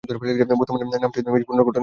বর্তমান নামটি মেইজি পুনর্গঠনের সময়কার।